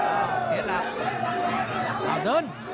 โอ้เสียรัก